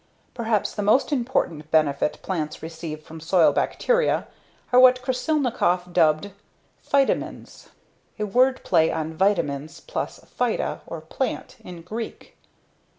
Perhaps the most important benefit plants receive from soil bacteria are what Krasilnikov dubbed "phytamins," a word play on vitamins plus phyta or "plant" in Greek.